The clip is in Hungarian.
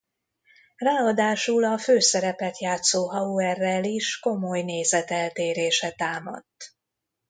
Ráadásul a főszerepet játszó Hauerrel is komoly nézeteltérése támadt.